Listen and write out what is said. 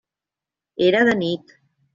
Era de nit.